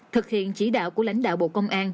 thực hiện chỉ đạo của lãnh đạo bộ công an